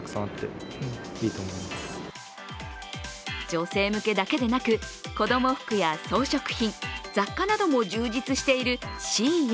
女性向けだけでなく子供服や装飾品、雑貨なども充実しているＳＨＥＩＮ。